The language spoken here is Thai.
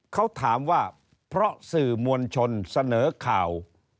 เขาถามว่าเพราะสื่อมวลชนเสนอข่าว